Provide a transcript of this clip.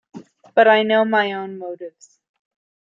But I know my own motives.